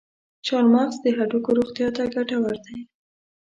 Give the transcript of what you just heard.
چارمغز د هډوکو روغتیا ته ګټور دی.